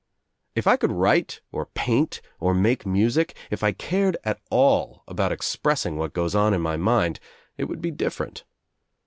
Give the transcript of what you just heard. "If I could write or paint or make music, if I cared at all about expressing what goes on in my mind it would be different.